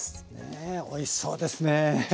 ねえおいしそうですね。